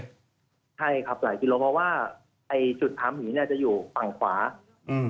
ใช่ครับหลายกิโลเพราะว่าไอ้จุดถามผีเนี้ยจะอยู่ฝั่งขวาอืม